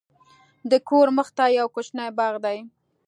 د کور مخته یو کوچنی باغ دی.